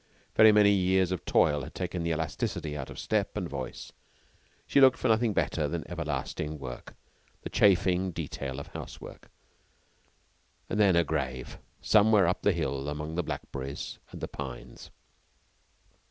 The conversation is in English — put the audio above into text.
Very many years of toil had taken the elasticity out of step and voice. She looked for nothing better than everlasting work the chafing detail of housework and then a grave somewhere up the hill among the blackberries and the pines.